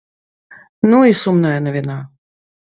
Ну і сумная навіна.